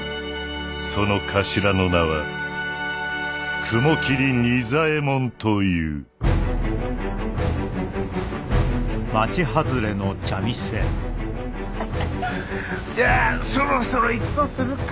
その頭の名は雲霧仁左衛門というハハッじゃあそろそろ行くとするか。